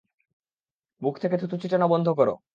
মুখ থেকে থু থু ছিটানো বন্ধ কর।